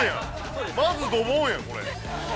◆まずどぼんやん、これ。